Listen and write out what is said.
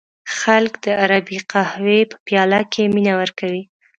خلک د عربی قهوې په پیاله کې مینه ورکوي.